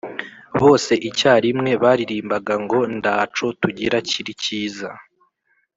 bose icyarimwe baririmbaga ngo 'ndaco tugira kiri kiza,